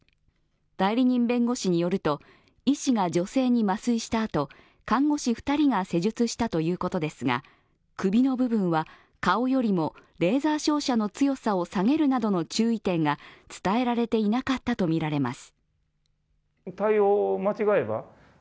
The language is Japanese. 代理人弁護士によると、医師が女性に麻酔したあと、看護師２人が施術したということですが、首の部分は顔よりもレーザー照射の強さを下げるなどの注意点が伝えられていなかったとみられます。